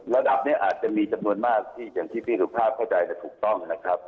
ระดับนี้อาจจะมีจำนวนมากที่ที่พี่ทุกภาพเข้าใจถูกต้อง